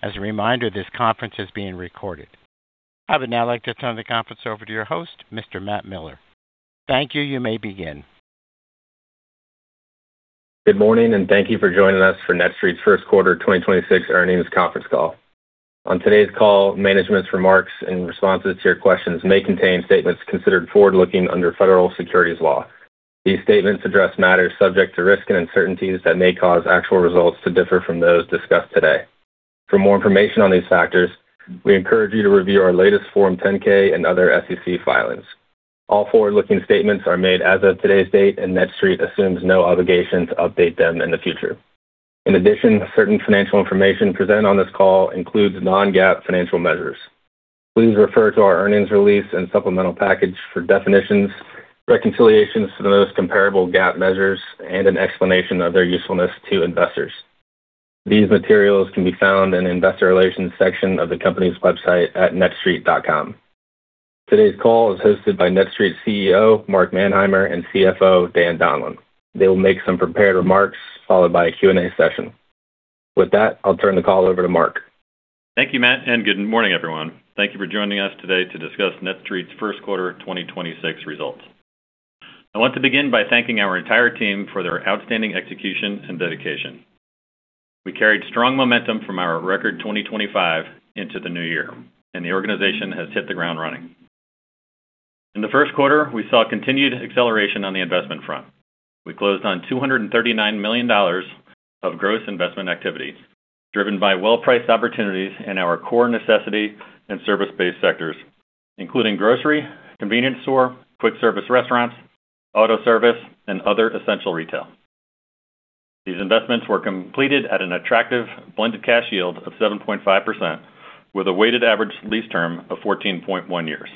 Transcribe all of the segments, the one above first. As a reminder, this conference is being recorded. I would now like to turn the conference over to your host, Mr. Matt Miller. Thank you. You may begin. Good morning, and thank you for joining us for NETSTREIT's first quarter 2026 earnings conference call. On today's call, management's remarks and responses to your questions may contain statements considered forward-looking under federal securities law. These statements address matters subject to risk and uncertainties that may cause actual results to differ from those discussed today. For more information on these factors, we encourage you to review our latest Form 10-K and other SEC filings. All forward-looking statements are made as of today's date, and NETSTREIT assumes no obligation to update them in the future. In addition, certain financial information presented on this call includes non-GAAP financial measures. Please refer to our earnings release and supplemental package for definitions, reconciliations to the most comparable GAAP measures, and an explanation of their usefulness to investors. These materials can be found in the investor relations section of the company's website at netstreit.com. Today's call is hosted by NETSTREIT's CEO, Mark Manheimer, and CFO, Daniel Donlan. They will make some prepared remarks, followed by a Q&A session. With that, I'll turn the call over to Mark. Thank you, Matt, and good morning, everyone. Thank you for joining us today to discuss NETSTREIT's Q1 2026 results. I want to begin by thanking our entire team for their outstanding execution and dedication. We carried strong momentum from our record 2025 into the new year, and the organization has hit the ground running. In the first quarter, we saw continued acceleration on the investment front. We closed on $239 million of gross investment activity, driven by well-priced opportunities in our core necessity and service-based sectors, including grocery, convenience store, quick service restaurants, auto service, and other essential retail. These investments were completed at an attractive blended cash yield of 7.5%, with a weighted average lease term of 14.1 years.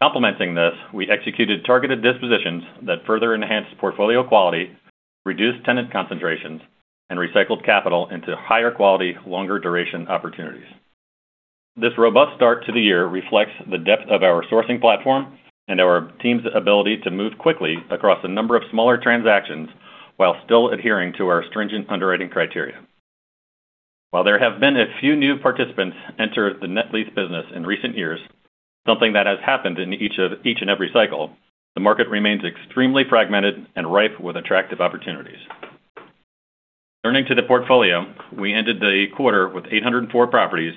Complementing this, we executed targeted dispositions that further enhanced portfolio quality, reduced tenant concentrations, and recycled capital into higher quality, longer duration opportunities. This robust start to the year reflects the depth of our sourcing platform and our team's ability to move quickly across a number of smaller transactions while still adhering to our stringent underwriting criteria. While there have been a few new participants enter the net lease business in recent years, something that has happened in each and every cycle, the market remains extremely fragmented and ripe with attractive opportunities. Turning to the portfolio, we ended the quarter with 804 properties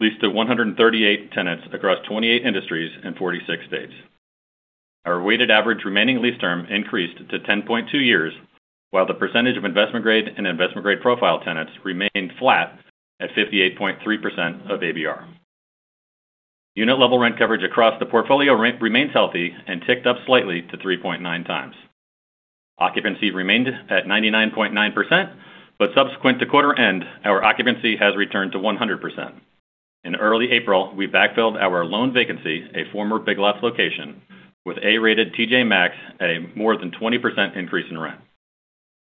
leased to 138 tenants across 28 industries and 46 states. Our weighted average remaining lease term increased to 10.2 years, while the percentage of investment grade and investment grade profile tenants remained flat at 58.3% of ABR. Unit level rent coverage across the portfolio remains healthy and ticked up slightly to 3.9 times. Occupancy remained at 99.9%, but subsequent to quarter end, our occupancy has returned to 100%. In early April, we backfilled our lone vacancy, a former Big Lots location, with A-rated TJ Maxx, a more than 20% increase in rent.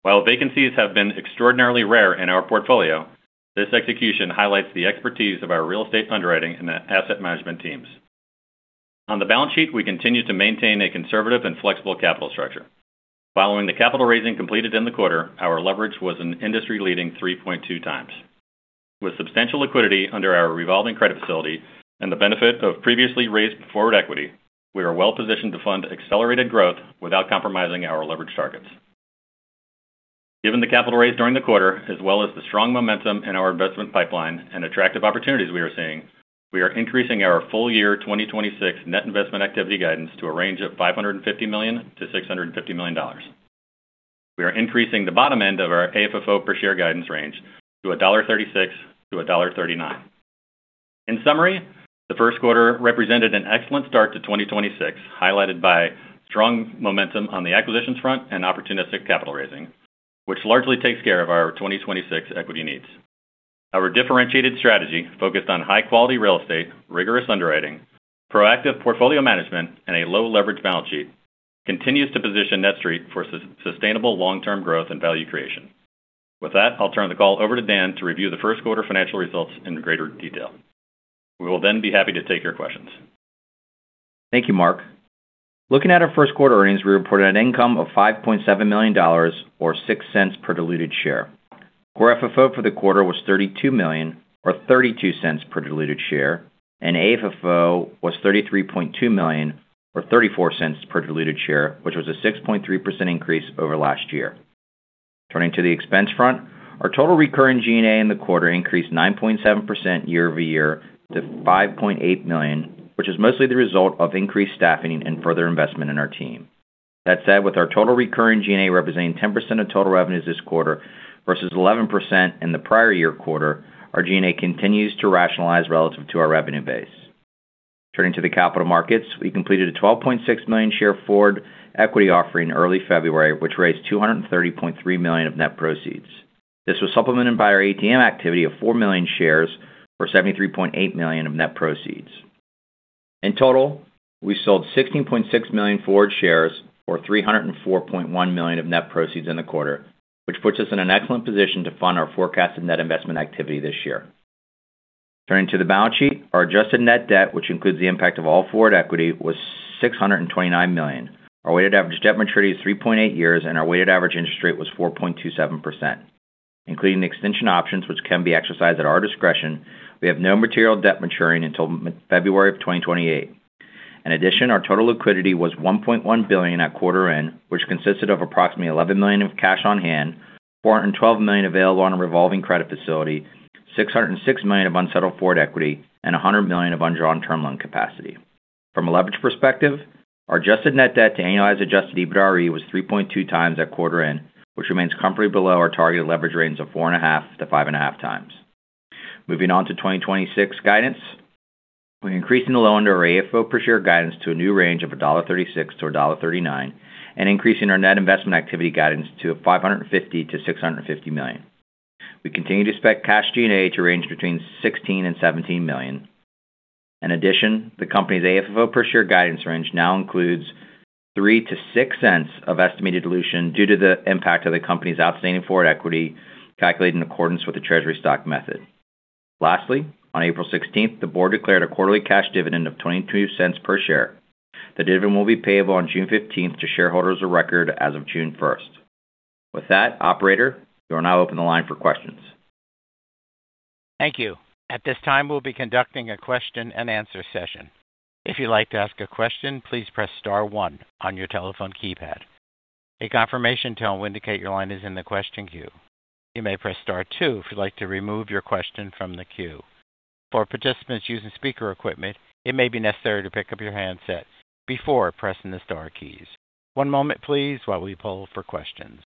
While vacancies have been extraordinarily rare in our portfolio, this execution highlights the expertise of our real estate underwriting and the asset management teams. On the balance sheet, we continue to maintain a conservative and flexible capital structure. Following the capital raising completed in the quarter, our leverage was an industry leading 3.2 times. With substantial liquidity under our revolving credit facility and the benefit of previously raised forward equity, we are well positioned to fund accelerated growth without compromising our leverage targets. Given the capital raise during the quarter, as well as the strong momentum in our investment pipeline and attractive opportunities we are seeing, we are increasing our full year 2026 net investment activity guidance to a range of $550 million-$650 million. We are increasing the bottom end of our AFFO per share guidance range to $1.36-$1.39. In summary, the first quarter represented an excellent start to 2026, highlighted by strong momentum on the acquisitions front and opportunistic capital raising, which largely takes care of our 2026 equity needs. Our differentiated strategy focused on high quality real estate, rigorous underwriting, proactive portfolio management, and a low leverage balance sheet continues to position NETSTREIT for sustainable long term growth and value creation. With that, I'll turn the call over to Dan to review the first quarter financial results in greater detail. We will then be happy to take your questions. Thank you, Mark. Looking at our first quarter earnings, we reported a net income of $5.7 million or $0.06 per diluted share. Core FFO for the quarter was $32 million or $0.32 per diluted share, and AFFO was $33.2 million or $0.34 per diluted share, which was a 6.3% increase over last year. Turning to the expense front, our total recurring G&A in the quarter increased 9.7% year-over-year to $5.8 million, which is mostly the result of increased staffing and further investment in our team. That said, with our total recurring G&A representing 10% of total revenues this quarter versus 11% in the prior year quarter, our G&A continues to rationalize relative to our revenue base. Turning to the capital markets, we completed a 12.6 million share forward equity offering in early February, which raised $230.3 million of net proceeds. This was supplemented by our ATM activity of 4 million shares or $73.8 million of net proceeds. In total, we sold 16.6 million forward shares or $304.1 million of net proceeds in the quarter, which puts us in an excellent position to fund our forecasted net investment activity this year. Turning to the balance sheet, our adjusted net debt, which includes the impact of all forward equity, was $629 million. Our weighted average debt maturity is 3.8 years, and our weighted average interest rate was 4.27%. Including the extension options, which can be exercised at our discretion, we have no material debt maturing until February of 2028. In addition, our total liquidity was $1.1 billion at quarter end, which consisted of approximately $11 million of cash on hand, $412 million available on a revolving credit facility, $606 million of unsettled forward equity, and $100 million of undrawn term loan capacity. From a leverage perspective, our adjusted net debt to annualized adjusted EBITDAre was 3.2 times at quarter end, which remains comfortably below our targeted leverage range of 4.5-5.5 times. Moving on to 2026 guidance. We're increasing the low end of our AFFO per share guidance to a new range of $1.36-$1.39 and increasing our net investment activity guidance to $550 million-$650 million. We continue to expect cash G&A to range between $16 million-$17 million. In addition, the company's AFFO per share guidance range now includes $0.03-$0.06 of estimated dilution due to the impact of the company's outstanding forward equity, calculated in accordance with the treasury stock method. Lastly, on April 16th, the board declared a quarterly cash dividend of $0.22 per share. The dividend will be payable on June 15th to shareholders of record as of June 1st. With that, operator, you will now open the line for questions. Thank you. At this time, we'll be conducting a question and answer session. If you'd like to ask a question, please press star one on your telephone keypad. A confirmation tone will indicate your line is in the question queue. You may press star two if you'd like to remove your question from the queue. For participants using speaker equipment, it may be necessary to pick up your handset before pressing the star keys. One moment, please, while we poll for questions.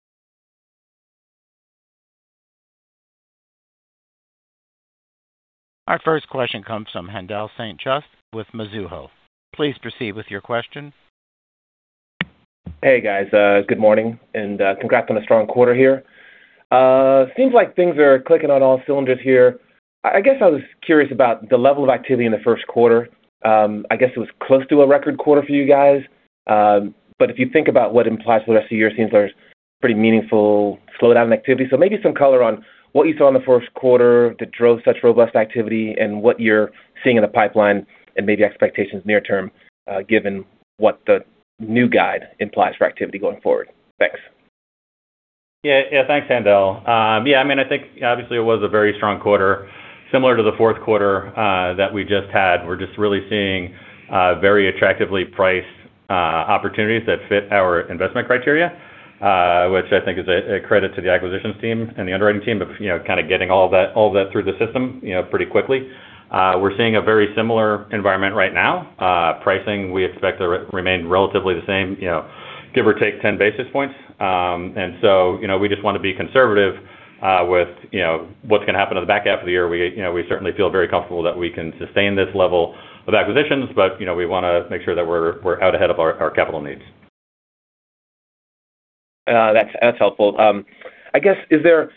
Our first question comes from Haendel St. Juste with Mizuho. Please proceed with your question. Hey, guys. Good morning, and congrats on a strong quarter here. Seems like things are clicking on all cylinders here. I guess I was curious about the level of activity in the first quarter. I guess it was close to a record quarter for you guys. If you think about what implies for the rest of the year, it seems there's pretty meaningful slowdown in activity. Maybe some color on what you saw in the first quarter that drove such robust activity and what you're seeing in the pipeline and maybe expectations near term, given what the new guide implies for activity going forward. Thanks. Yeah. Thanks, Haendel. Yeah, I think obviously it was a very strong quarter, similar to the fourth quarter that we just had. We're just really seeing very attractively priced opportunities that fit our investment criteria, which I think is a credit to the acquisitions team and the underwriting team of kind of getting all of that through the system pretty quickly. We're seeing a very similar environment right now. Pricing, we expect to remain relatively the same, give or take 10 basis points. We just want to be conservative with what's going to happen on the back half of the year. We certainly feel very comfortable that we can sustain this level of acquisitions, but we want to make sure that we're out ahead of our capital needs. That's helpful. I guess, is there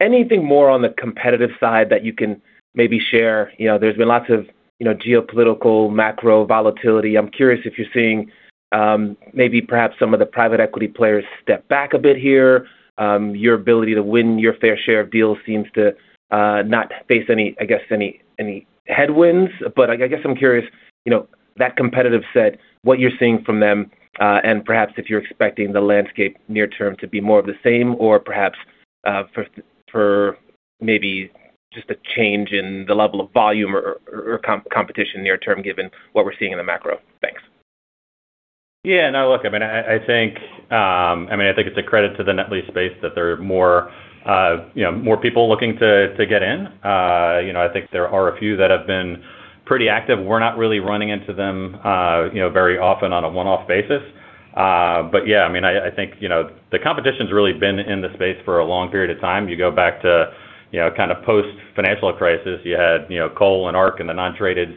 anything more on the competitive side that you can maybe share? There's been lots of geopolitical macro volatility. I'm curious if you're seeing maybe perhaps some of the private equity players step back a bit here. Your ability to win your fair share of deals seems to not face any headwinds. I guess I'm curious, that competitive set, what you're seeing from them and perhaps if you're expecting the landscape near term to be more of the same or perhaps for maybe just a change in the level of volume or competition near term given what we're seeing in the macro. Thanks. Yeah. No, look, I think it's a credit to the net lease space that there are more people looking to get in. I think there are a few that have been pretty active. We're not really running into them very often on a one-off basis. Yeah, I think the competition's really been in the space for a long period of time. You go back to kind of post-financial crisis, you had Cole and ARC and the non-traded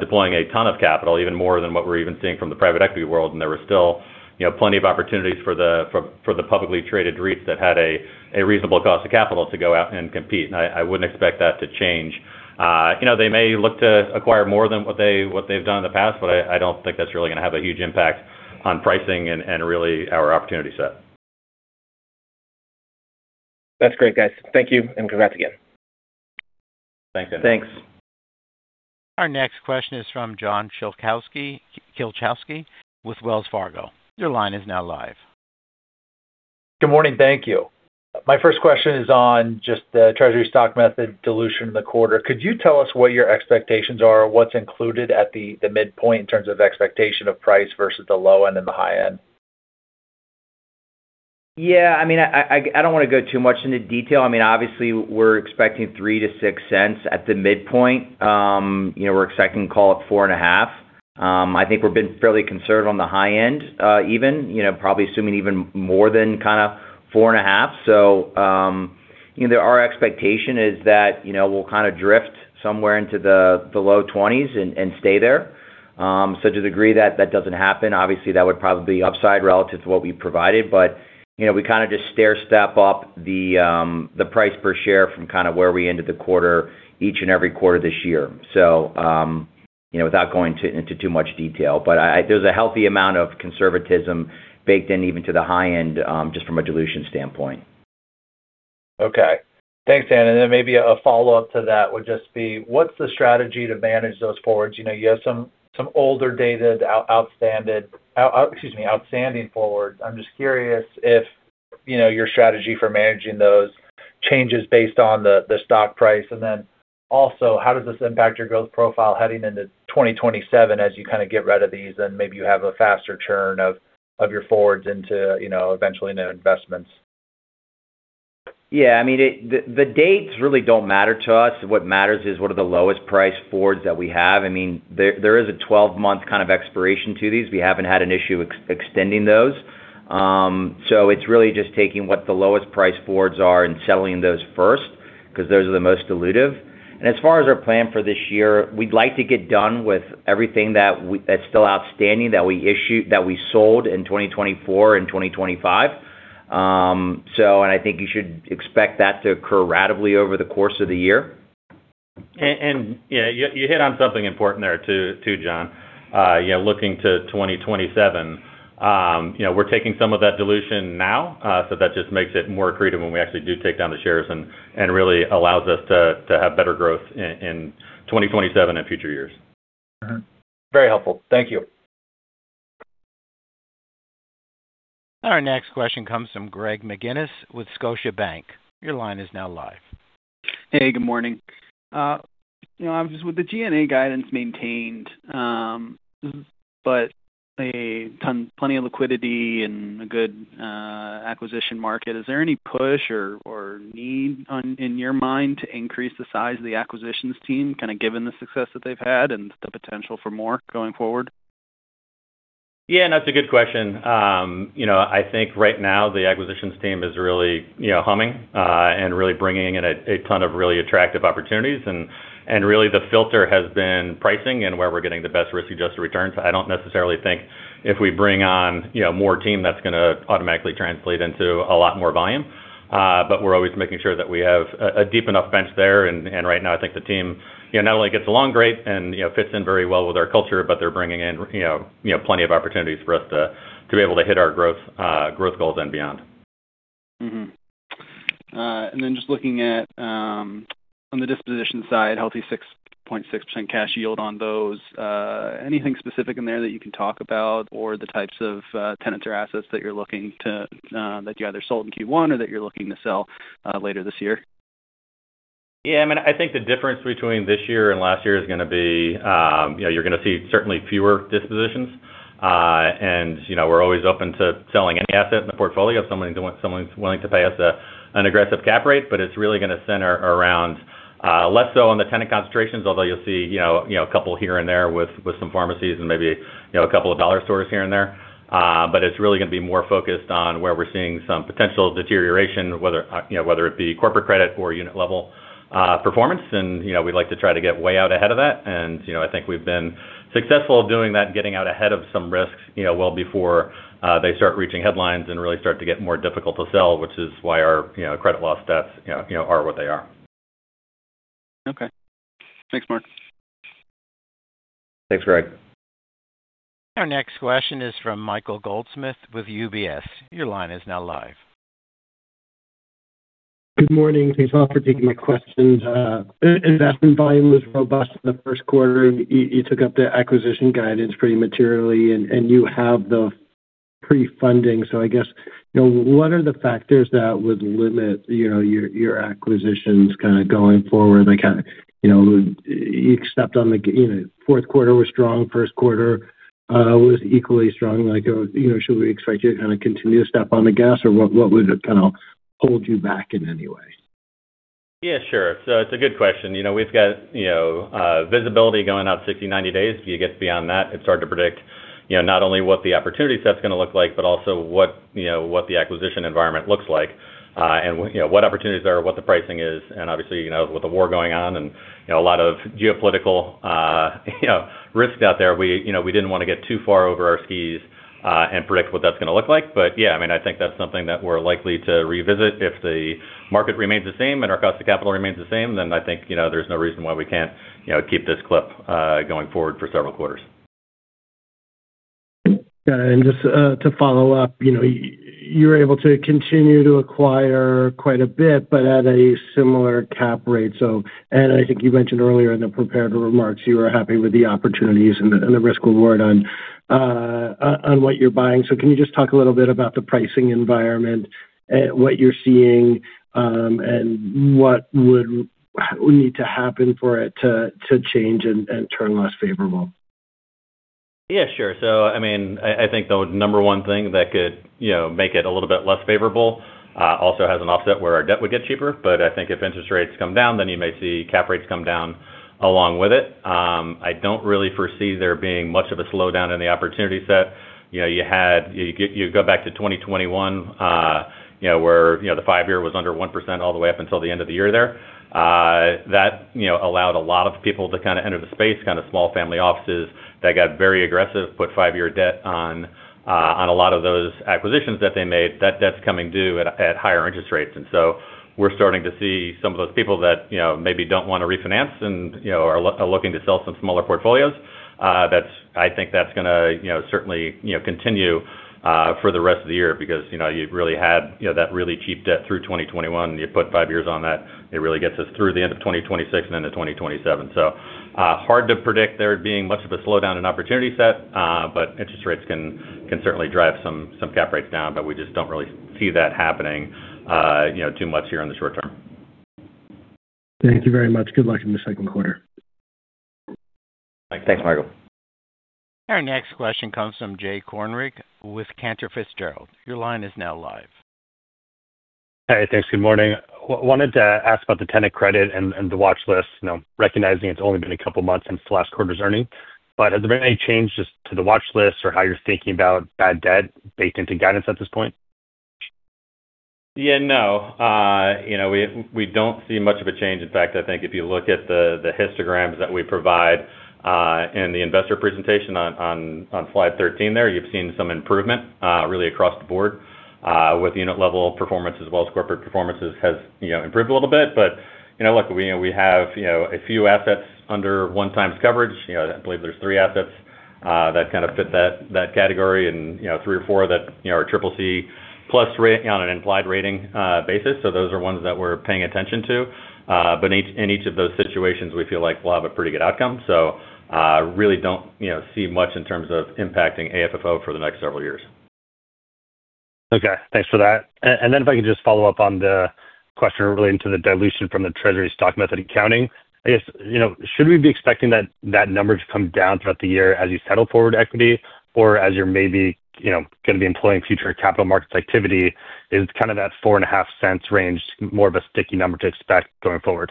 deploying a ton of capital, even more than what we're even seeing from the private equity world, and there were still plenty of opportunities for the publicly traded REITs that had a reasonable cost of capital to go out and compete. I wouldn't expect that to change. They may look to acquire more than what they've done in the past, but I don't think that's really going to have a huge impact on pricing and really our opportunity set. That's great, guys. Thank you, and congrats again. Thanks, Haendel. Thanks. Our next question is from John Kilichowski with Wells Fargo. Your line is now live. Good morning. Thank you. My first question is on just the treasury stock method dilution in the quarter. Could you tell us what your expectations are, what's included at the midpoint in terms of expectation of price versus the low end and the high end? Yeah, I don't want to go too much into detail. Obviously, we're expecting $0.03-$0.06 at the midpoint. We're expecting, call it, $0.045. I think we've been fairly conservative on the high end even, probably assuming even more than kind of $0.045. Our expectation is that we'll kind of drift somewhere into the low 20s and stay there. To the degree that that doesn't happen, obviously that would probably be upside relative to what we provided. We kind of just stair step up the price per share from kind of where we ended the quarter, each and every quarter this year. Without going into too much detail, but there's a healthy amount of conservatism baked in, even to the high end, just from a dilution standpoint. Okay. Thanks, Dan. Maybe a follow-up to that would just be, what's the strategy to manage those forwards? You have some older dated, outstanding forwards. I'm just curious if your strategy for managing those changes based on the stock price. How does this impact your growth profile heading into 2027 as you get rid of these and maybe you have a faster churn of your forwards into eventually new investments? Yeah. The dates really don't matter to us. What matters is, what are the lowest price forwards that we have? There is a 12-month kind of expiration to these. We haven't had an issue extending those. It's really just taking what the lowest price forwards are and selling those first, because those are the most dilutive. As far as our plan for this year, we'd like to get done with everything that's still outstanding that we sold in 2024 and 2025. I think you should expect that to occur ratably over the course of the year. You hit on something important there too, John. Looking to 2027, we're taking some of that dilution now, so that just makes it more accretive when we actually do take down the shares and really allows us to have better growth in 2027 and future years. Mm-hmm. Very helpful. Thank you. Our next question comes from Greg McGinniss with Scotiabank. Your line is now live. Hey, good morning. Obviously, with the G&A guidance maintained, but plenty of liquidity and a good acquisition market, is there any push or need in your mind to increase the size of the acquisitions team, kind of given the success that they've had and the potential for more going forward? Yeah, that's a good question. I think right now the acquisitions team is really humming and really bringing in a ton of really attractive opportunities, and really the filter has been pricing and where we're getting the best risk-adjusted returns. I don't necessarily think if we bring on more team, that's going to automatically translate into a lot more volume. We're always making sure that we have a deep enough bench there, and right now, I think the team not only gets along great and fits in very well with our culture, but they're bringing in plenty of opportunities for us to be able to hit our growth goals and beyond. Just looking at, on the disposition side, healthy 6.6% cash yield on those. Anything specific in there that you can talk about, or the types of tenants or assets that you either sold in Q1 or that you're looking to sell later this year? Yeah, I think the difference between this year and last year is going to be, you're going to see certainly fewer dispositions. We're always open to selling any asset in the portfolio if someone's willing to pay us an aggressive cap rate. It's really going to center around less so on the tenant concentrations, although you'll see a couple here and there with some pharmacies and maybe a couple of dollar stores here and there. It's really going to be more focused on where we're seeing some potential deterioration, whether it be corporate credit or unit level performance. We like to try to get way out ahead of that, and I think we've been successful doing that and getting out ahead of some risks well before they start reaching headlines and really start to get more difficult to sell, which is why our credit loss stats are what they are. Okay. Thanks, Mark. Thanks, Greg. Our next question is from Michael Goldsmith with UBS. Your line is now live. Good morning. Thanks a lot for taking my questions. Investment volume was robust in the first quarter. You took up the acquisition guidance pretty materially, and you have the pre-funding. I guess, what are the factors that would limit your acquisitions kind of going forward? Fourth quarter was strong, first quarter was equally strong. Should we expect you to kind of continue to step on the gas, or what would kind of hold you back in any way? Yeah, sure. It's a good question. We've got visibility going out 60, 90 days. If you get beyond that, it's hard to predict not only what the opportunity set's going to look like, but also what the acquisition environment looks like and what opportunities there are, what the pricing is. Obviously, with the war going on and a lot of geopolitical risks out there, we didn't want to get too far over our skis and predict what that's going to look like. Yeah, I think that's something that we're likely to revisit if the market remains the same and our cost of capital remains the same, then I think there's no reason why we can't keep this clip going forward for several quarters. Just to follow up, you're able to continue to acquire quite a bit, but at a similar cap rate. I think you mentioned earlier in the prepared remarks, you are happy with the opportunities and the risk-reward on what you're buying. Can you just talk a little bit about the pricing environment, what you're seeing, and what would need to happen for it to change and turn less favorable? Yeah, sure. I think the number one thing that could make it a little bit less favorable also has an offset where our debt would get cheaper. I think if interest rates come down, then you may see cap rates come down along with it. I don't really foresee there being much of a slowdown in the opportunity set. You go back to 2021, where the five-year was under 1% all the way up until the end of the year there. That allowed a lot of people to kind of enter the space, kind of small family offices that got very aggressive, put five-year debt on a lot of those acquisitions that they made. That debt's coming due at higher interest rates. We're starting to see some of those people that maybe don't want to refinance and are looking to sell some smaller portfolios. I think that's going to certainly continue for the rest of the year because you've really had that really cheap debt through 2021, and you put five years on that, it really gets us through the end of 2026 and into 2027. Hard to predict there being much of a slowdown in opportunity set, but interest rates can certainly drive some cap rates down, but we just don't really see that happening too much here in the short term. Thank you very much. Good luck in the second quarter. Thanks, Michael. Our next question comes from Jay Kornreich with Cantor Fitzgerald. Your line is now live. Hey, thanks. Good morning. Wanted to ask about the tenant credit and the watch list, recognizing it's only been a couple of months since the last quarter's earnings. Has there been any change just to the watch list or how you're thinking about bad debt baked into guidance at this point? Yeah, no. We don't see much of a change. In fact, I think if you look at the histograms that we provide in the investor presentation on slide 13 there, you've seen some improvement really across the board with unit level performance as well as corporate performances has improved a little bit. Look, we have a few assets under 1x coverage. I believe there's three assets that kind of fit that category and three or four that are triple C plus on an implied rating basis. Those are ones that we're paying attention to. But in each of those situations, we feel like we'll have a pretty good outcome. Really don't see much in terms of impacting AFFO for the next several years. Okay. Thanks for that. If I can just follow up on the question relating to the dilution from the treasury stock method accounting. I guess, should we be expecting that number to come down throughout the year as you settle forward equity or as you're maybe going to be employing future capital markets activity? Is kind of that $0.045 range more of a sticky number to expect going forward?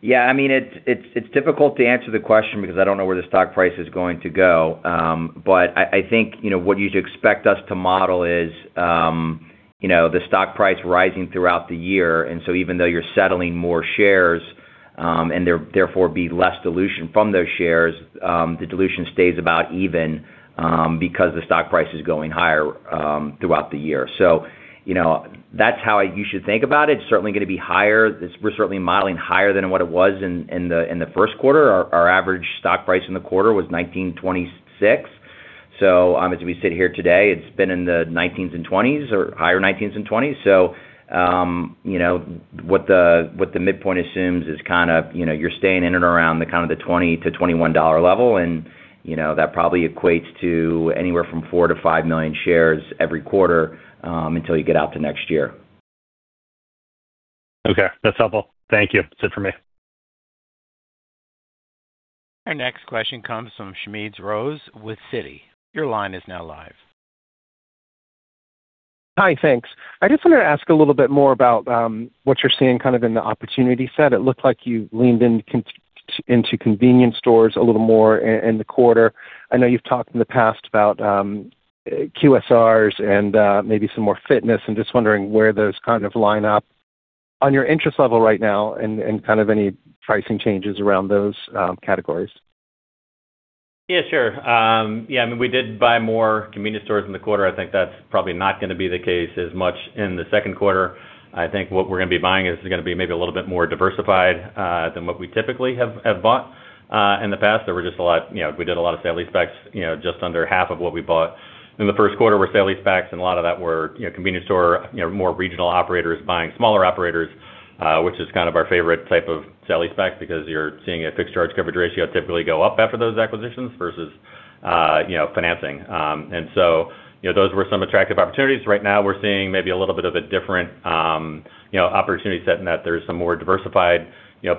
Yeah, it's difficult to answer the question because I don't know where the stock price is going to go. I think what you should expect us to model is the stock price rising throughout the year, and so even though you're settling more shares, and there therefore be less dilution from those shares, the dilution stays about even, because the stock price is going higher throughout the year. That's how you should think about it. It's certainly going to be higher. We're certainly modeling higher than what it was in the first quarter. Our average stock price in the quarter was $19.26. As we sit here today, it's been in the 19s and 20s or higher 19s and 20s. What the midpoint assumes is kind of you're staying in and around kind of the $20-$21 level, and that probably equates to anywhere from 4-5 million shares every quarter, until you get out to next year. Okay, that's helpful. Thank you. That's it for me. Our next question comes from Smedes Rose with Citi. Your line is now live. Hi, thanks. I just wanted to ask a little bit more about what you're seeing kind of in the opportunity set. It looked like you leaned into convenience stores a little more in the quarter. I know you've talked in the past about QSRs and maybe some more fitness, and just wondering where those kind of line up on your interest level right now and kind of any pricing changes around those categories. Yeah, sure. We did buy more convenience stores in the quarter. I think that's probably not going to be the case as much in the second quarter. I think what we're going to be buying is going to be maybe a little bit more diversified than what we typically have bought. In the past, we did a lot of sale-leasebacks, just under half of what we bought in the first quarter were sale-leasebacks, and a lot of that were convenience store more regional operators buying smaller operators, which is kind of our favorite type of sale-leaseback because you're seeing a fixed charge coverage ratio typically go up after those acquisitions versus financing. Those were some attractive opportunities. Right now we're seeing maybe a little bit of a different opportunity set in that there's some more diversified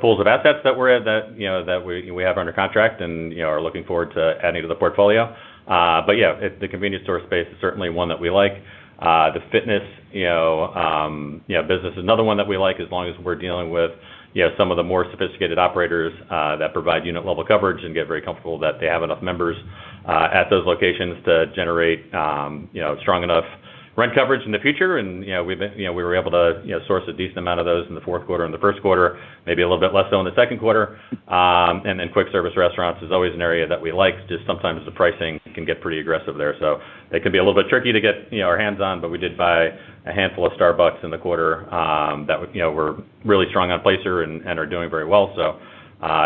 pools of assets that we have under contract and are looking forward to adding to the portfolio. Yeah, the convenience store space is certainly one that we like. The fitness business is another one that we like as long as we're dealing with some of the more sophisticated operators that provide unit level coverage and get very comfortable that they have enough members at those locations to generate strong enough rent coverage in the future. We were able to source a decent amount of those in the fourth quarter and the first quarter, maybe a little bit less so in the second quarter. Quick service restaurants is always an area that we like, just sometimes the pricing can get pretty aggressive there. It can be a little bit tricky to get our hands on, but we did buy a handful of Starbucks in the quarter that were really strong on Placer and are doing very well.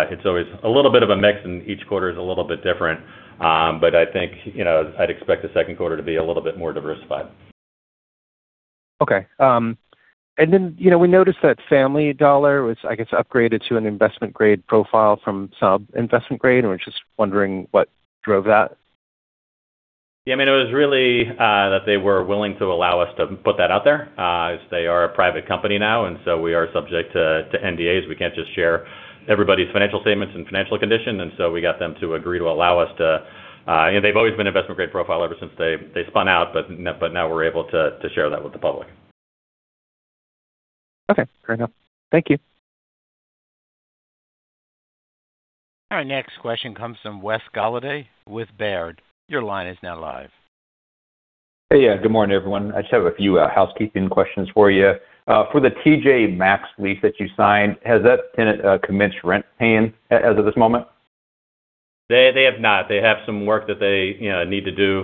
It's always a little bit of a mix and each quarter is a little bit different. I think, I'd expect the second quarter to be a little bit more diversified. Okay. We noticed that Family Dollar was, I guess, upgraded to an investment-grade profile from sub-investment-grade, and we're just wondering what drove that. Yeah, it was really that they were willing to allow us to put that out there, as they are a private company now, and so we are subject to NDAs. We can't just share everybody's financial statements and financial condition, and so we got them to agree to allow us to. They've always been investment grade profile ever since they spun out, but now we're able to share that with the public. Okay, fair enough. Thank you. Our next question comes from Wes Golladay with Baird. Your line is now live. Hey. Good morning, everyone. I just have a few housekeeping questions for you. For the TJ Maxx lease that you signed, has that tenant commenced rent paying as of this moment? They have not. They have some work that they need to do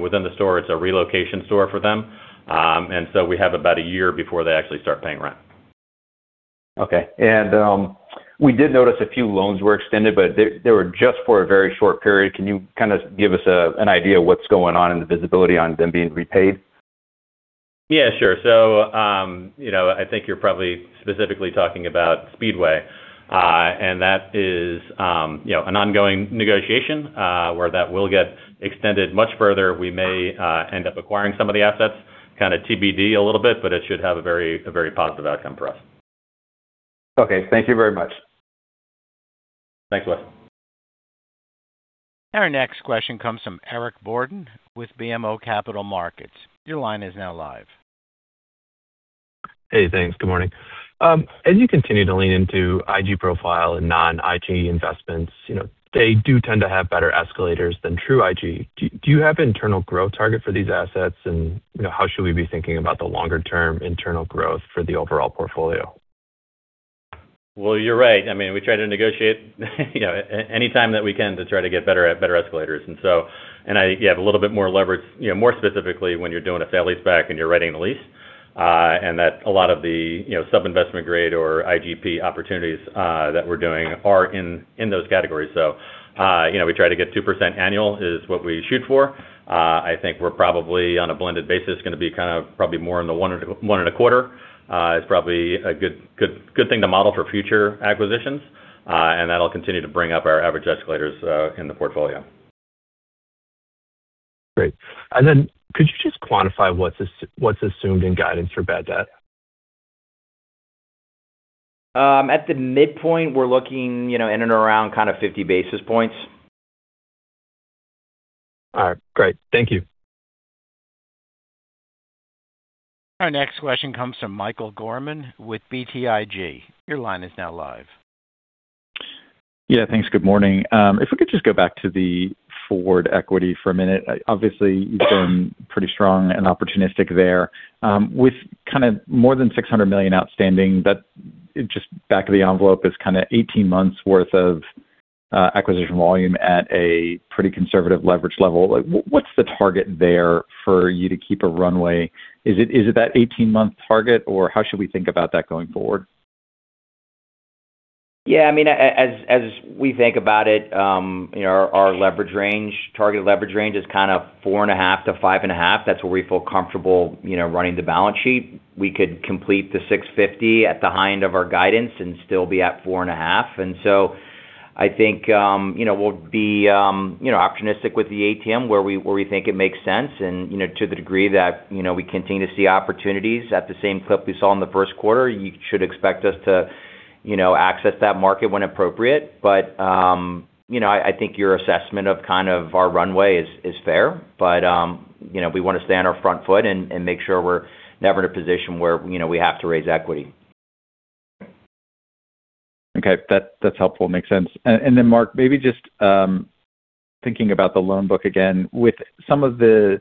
within the store. It's a relocation store for them. We have about a year before they actually start paying rent. Okay. We did notice a few loans were extended, but they were just for a very short period. Can you kind of give us an idea of what's going on and the visibility on them being repaid? Yeah, sure. I think you're probably specifically talking about Speedway. That is an ongoing negotiation, where that will get extended much further. We may end up acquiring some of the assets, kind of TBD a little bit, but it should have a very positive outcome for us. Okay. Thank you very much. Thanks, Wes. Our next question comes from Eric Borden with BMO Capital Markets. Your line is now live. Hey, thanks. Good morning. As you continue to lean into IG profile and non-IG investments, they do tend to have better escalators than true IG. Do you have internal growth target for these assets? How should we be thinking about the longer-term internal growth for the overall portfolio? Well, you're right. We try to negotiate any time that we can to try to get better escalators. You have a little bit more leverage, more specifically, when you're doing a sale-leaseback and you're writing the lease. A lot of the sub-investment grade or IGP opportunities that we're doing are in those categories. We try to get 2% annual is what we shoot for. I think we're probably, on a blended basis, going to be kind of probably more in the 1.25%. It's probably a good thing to model for future acquisitions. That'll continue to bring up our average escalators in the portfolio. Great. Could you just quantify what's assumed in guidance for bad debt? At the midpoint, we're looking in and around kind of 50 basis points. All right, great. Thank you. Our next question comes from Michael Gorman with BTIG. Your line is now live. Yeah, thanks. Good morning. If we could just go back to the forward equity for a minute. Obviously, you've been pretty strong and opportunistic there. With kind of more than $600 million outstanding, that just back of the envelope is kind of 18 months worth of acquisition volume at a pretty conservative leverage level. What's the target there for you to keep a runway? Is it that 18-month target, or how should we think about that going forward? Yeah, as we think about it, our target leverage range is kind of 4.5-5.5. That's where we feel comfortable running the balance sheet. We could complete the $650 at the high end of our guidance and still be at 4.5. I think we'll be opportunistic with the ATM where we think it makes sense. To the degree that we continue to see opportunities at the same clip we saw in the first quarter, you should expect us to access that market when appropriate. I think your assessment of kind of our runway is fair. We want to stay on our front foot and make sure we're never in a position where we have to raise equity. Okay. That's helpful. Makes sense. Mark, maybe just thinking about the loan book again, with some of the,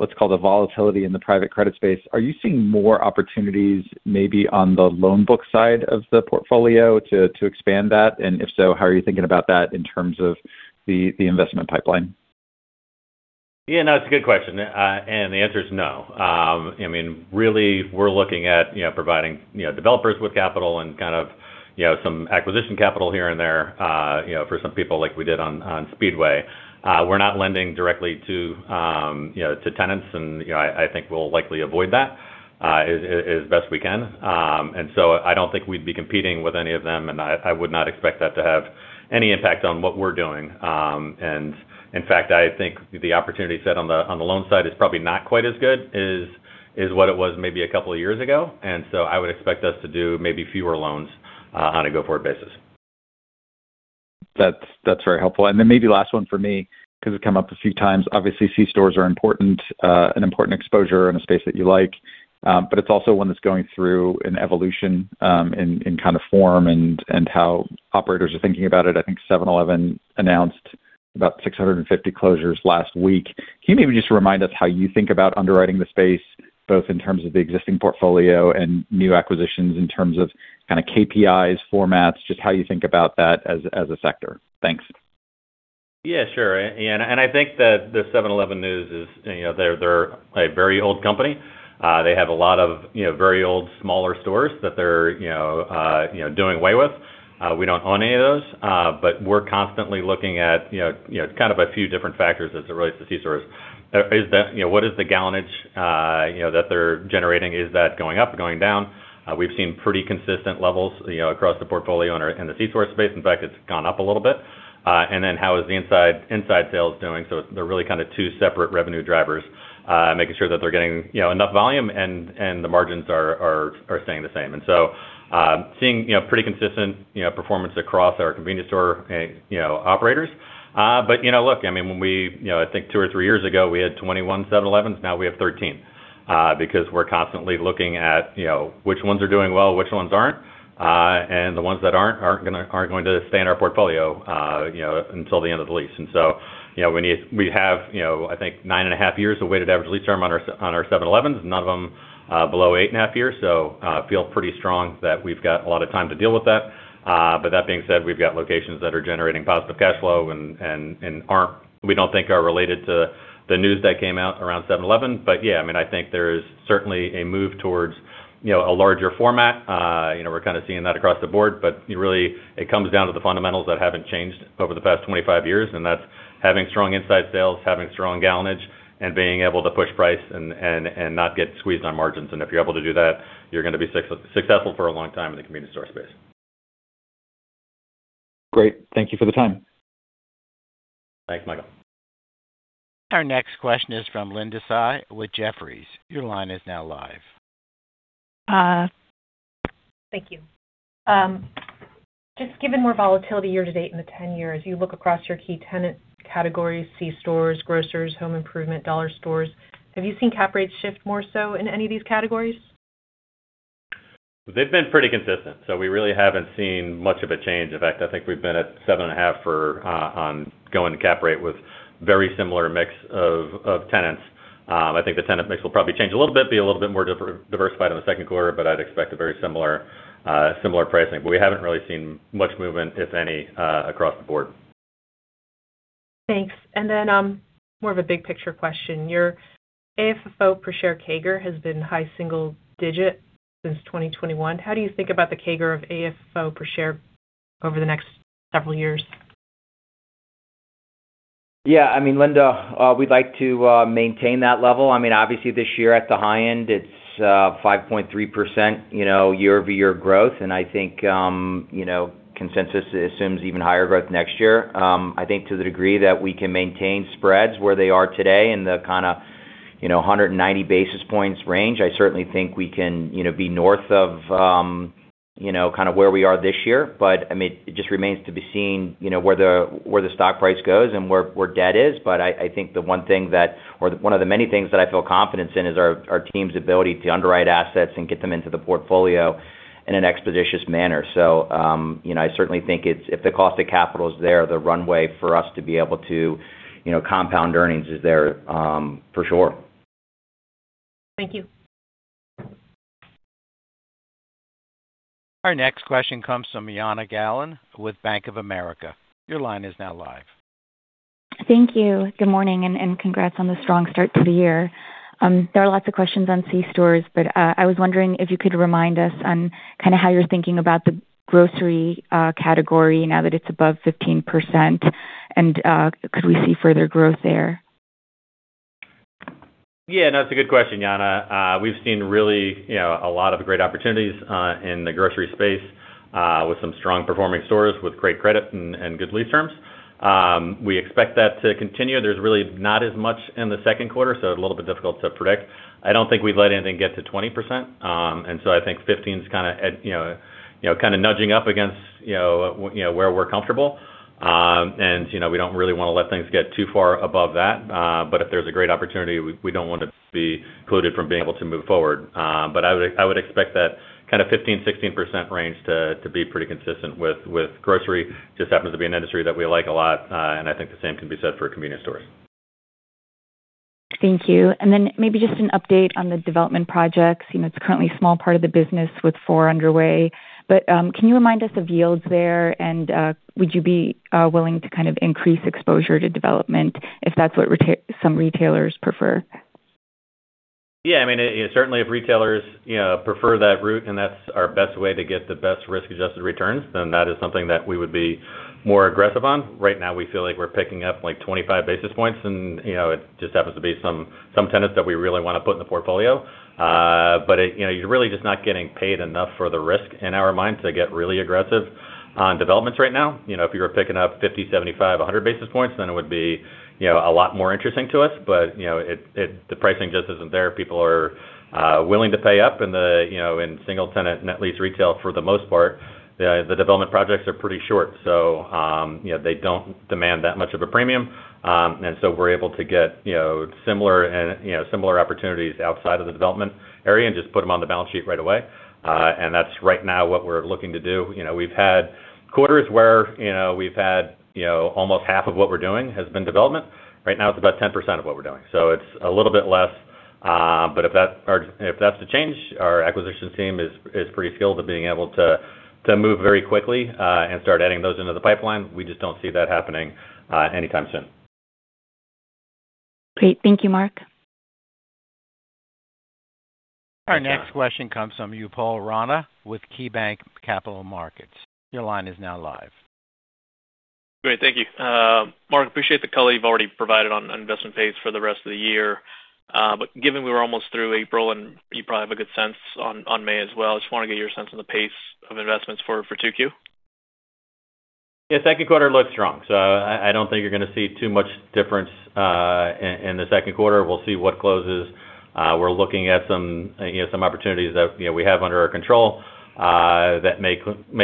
let's call it the volatility in the private credit space, are you seeing more opportunities maybe on the loan book side of the portfolio to expand that? If so, how are you thinking about that in terms of the investment pipeline? Yeah, no, it's a good question. The answer is no. Really, we're looking at providing developers with capital and kind of some acquisition capital here and there for some people like we did on Speedway. We're not lending directly to tenants, and I think we'll likely avoid that as best we can. I don't think we'd be competing with any of them, and I would not expect that to have any impact on what we're doing. In fact, I think the opportunity set on the loan side is probably not quite as good as what it was maybe a couple of years ago. I would expect us to do maybe fewer loans on a go-forward basis. That's very helpful. Then maybe last one for me, because it's come up a few times. Obviously, C stores are an important exposure in a space that you like. It's also one that's going through an evolution in kind of form and how operators are thinking about it. I think 7-Eleven announced about 650 closures last week. Can you maybe just remind us how you think about underwriting the space, both in terms of the existing portfolio and new acquisitions in terms of kind of KPIs, formats, just how you think about that as a sector? Thanks. Yeah, sure. I think that the 7-Eleven news is they're a very old company. They have a lot of very old, smaller stores that they're doing away with. We don't own any of those. We're constantly looking at kind of a few different factors as it relates to C stores. What is the gallonage that they're generating? Is that going up or going down? We've seen pretty consistent levels across the portfolio in the C store space. In fact, it's gone up a little bit. Then how is the inside sales doing? They're really kind of two separate revenue drivers. Making sure that they're getting enough volume and the margins are staying the same. Seeing pretty consistent performance across our convenience store operators. Look, I think 2 or 3 years ago, we had 21 7-Elevens, now we have 13. Because we're constantly looking at which ones are doing well, which ones aren't. The ones that aren't going to stay in our portfolio until the end of the lease. We have I think 9.5 years of weighted average lease term on our 7-Eleven, none of them below 8.5 years. I feel pretty strong that we've got a lot of time to deal with that. That being said, we've got locations that are generating positive cash flow and we don't think are related to the news that came out around 7-Eleven. Yeah, I think there's certainly a move towards a larger format. We're kind of seeing that across the board, but really, it comes down to the fundamentals that haven't changed over the past 25 years, and that's having strong inside sales, having strong gallonage, and being able to push price and not get squeezed on margins. If you're able to do that, you're going to be successful for a long time in the convenience store space. Great. Thank you for the time. Thanks, Michael. Our next question is from Linda Tsai with Jefferies. Your line is now live. Thank you. Just given more volatility year to date in the 10-year, as you look across your key tenant categories, C stores, grocers, home improvement, dollar stores, have you seen cap rates shift more so in any of these categories? They've been pretty consistent, so we really haven't seen much of a change. In fact, I think we've been at 7.5 for ongoing cap rate with very similar mix of tenants. I think the tenant mix will probably change a little bit, be a little bit more diversified in the second quarter, but I'd expect a very similar pricing. We haven't really seen much movement, if any, across the board. Thanks. More of a big picture question. Your AFFO per share CAGR has been high single digit since 2021. How do you think about the CAGR of AFFO per share over the next several years? Yeah, Linda, we'd like to maintain that level. Obviously, this year at the high end, it's 5.3% year-over-year growth, and I think consensus assumes even higher growth next year. I think to the degree that we can maintain spreads where they are today in the kind of 190 basis points range, I certainly think we can be north of where we are this year. It just remains to be seen where the stock price goes and where debt is. I think one of the many things that I feel confidence in is our team's ability to underwrite assets and get them into the portfolio in an expeditious manner. I certainly think if the cost of capital is there, the runway for us to be able to compound earnings is there for sure. Thank you. Our next question comes from Jana Galan with Bank of America. Your line is now live. Thank you. Good morning, and congrats on the strong start to the year. There are lots of questions on C stores, but I was wondering if you could remind us on how you're thinking about the grocery category now that it's above 15%, and could we see further growth there? Yeah, no, that's a good question, Jana. We've seen really a lot of great opportunities in the grocery space with some strong performing stores with great credit and good lease terms. We expect that to continue. There's really not as much in the second quarter, so a little bit difficult to predict. I don't think we'd let anything get to 20%. I think 15 is kind of nudging up against where we're comfortable. We don't really want to let things get too far above that. But if there's a great opportunity, we don't want to be precluded from being able to move forward. I would expect that kind of 15%-16% range to be pretty consistent with grocery. Just happens to be an industry that we like a lot, and I think the same can be said for convenience stores. Thank you. Maybe just an update on the development projects. It's currently a small part of the business with four underway. Can you remind us of yields there? Would you be willing to kind of increase exposure to development if that's what some retailers prefer? Yeah. Certainly if retailers prefer that route and that's our best way to get the best risk-adjusted returns, then that is something that we would be more aggressive on. Right now we feel like we're picking up 25 basis points, and it just happens to be some tenants that we really want to put in the portfolio. But you're really just not getting paid enough for the risk, in our minds, to get really aggressive on developments right now. If you were picking up 50, 75, 100 basis points, then it would be a lot more interesting to us. But the pricing just isn't there. People are willing to pay up in single tenant net lease retail for the most part. The development projects are pretty short, so they don't demand that much of a premium. We're able to get similar opportunities outside of the development area and just put them on the balance sheet right away. That's right now what we're looking to do. We've had quarters where we've had almost half of what we're doing has been development. Right now it's about 10% of what we're doing. It's a little bit less. If that's to change, our acquisitions team is pretty skilled at being able to move very quickly and start adding those into the pipeline. We just don't see that happening anytime soon. Great. Thank you, Mark. Our next question comes from Upal Rana with KeyBanc Capital Markets. Your line is now live. Great. Thank you. Mark, I appreciate the color you've already provided on investment pace for the rest of the year. Given we're almost through April, and you probably have a good sense on May as well, I just want to get your sense on the pace of investments for 2Q. Yeah, second quarter looks strong, so I don't think you're going to see too much difference in the second quarter. We'll see what closes. We're looking at some opportunities that we have under our control that may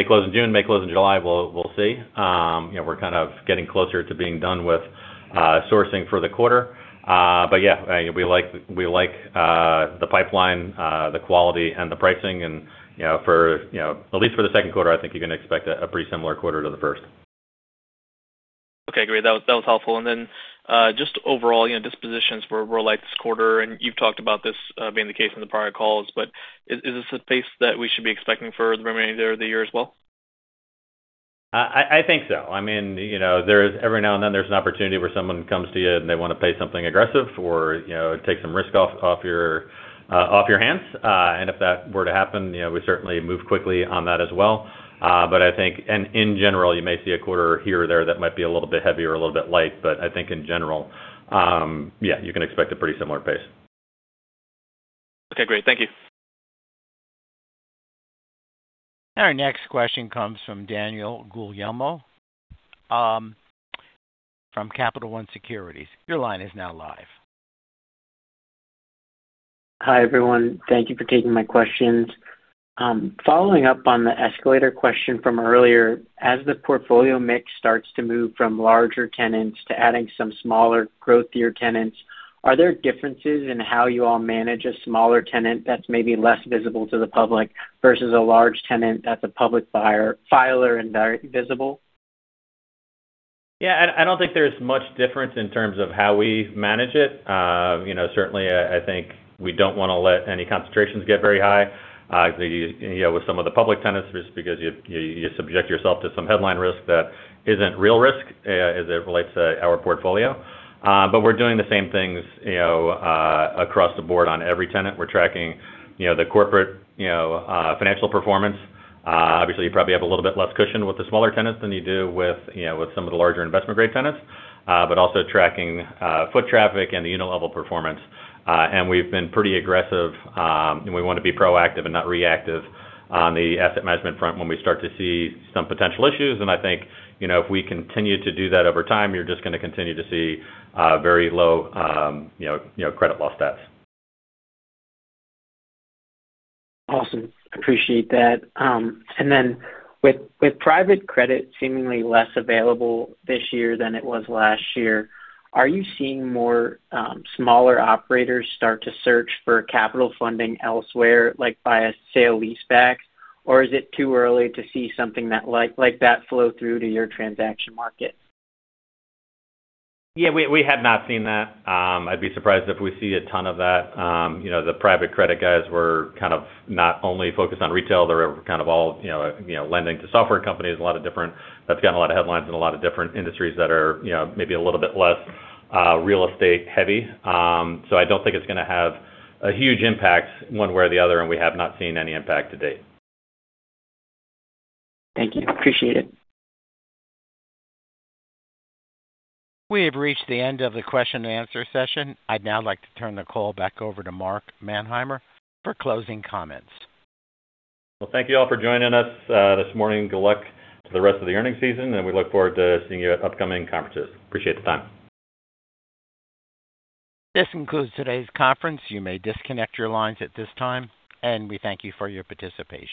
close in June, may close in July. We'll see. We're kind of getting closer to being done with sourcing for the quarter. Yeah, we like the pipeline, the quality, and the pricing. At least for the second quarter, I think you're going to expect a pretty similar quarter to the first. Okay, great. That was helpful. Then just overall, dispositions for Ruralite this quarter, and you've talked about this being the case in the prior calls, but is this a pace that we should be expecting for the remainder of the year as well? I think so. Every now and then, there's an opportunity where someone comes to you and they want to pay something aggressive or take some risk off your hands. If that were to happen, we certainly move quickly on that as well. I think in general, you may see a quarter here or there that might be a little bit heavy or a little bit light, but I think in general, yeah, you can expect a pretty similar pace. Okay, great. Thank you. Our next question comes from Daniel Guglielmo from Capital One Securities. Your line is now live. Hi, everyone. Thank you for taking my questions. Following up on the escalator question from earlier, as the portfolio mix starts to move from larger tenants to adding some smaller growthier tenants, are there differences in how you all manage a smaller tenant that's maybe less visible to the public versus a large tenant that's a public filer and very visible? Yeah, I don't think there's much difference in terms of how we manage it. Certainly, I think we don't want to let any concentrations get very high with some of the public tenants, just because you subject yourself to some headline risk that isn't real risk as it relates to our portfolio. But we're doing the same things across the board on every tenant. We're tracking the corporate financial performance. Obviously, you probably have a little bit less cushion with the smaller tenants than you do with some of the larger investment-grade tenants, but also tracking foot traffic and the unit level performance. We've been pretty aggressive, and we want to be proactive and not reactive on the asset management front when we start to see some potential issues. I think, if we continue to do that over time, you're just going to continue to see very low credit loss stats. Awesome, appreciate that. With private credit seemingly less available this year than it was last year, are you seeing more smaller operators start to search for capital funding elsewhere, like via sale-leaseback? Or is it too early to see something like that flow through to your transaction market? Yeah, we have not seen that. I'd be surprised if we see a ton of that. The private credit guys were kind of not only focused on retail. They're kind of all lending to software companies. That's gotten a lot of headlines in a lot of different industries that are maybe a little bit less real estate heavy. I don't think it's going to have a huge impact one way or the other, and we have not seen any impact to date. Thank you. Appreciate it. We have reached the end of the question and answer session. I'd now like to turn the call back over to Mark Manheimer for closing comments. Well, thank you all for joining us this morning. Good luck for the rest of the earnings season, and we look forward to seeing you at upcoming conferences. Appreciate the time. This concludes today's conference. You may disconnect your lines at this time, and we thank you for your participation.